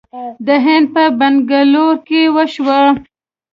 د هند په بنګلور کې وشوه